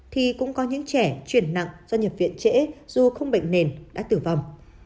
thì cũng có những trẻ chuyển nặng do nhập viện trễ dù không bệnh nền đã tử vong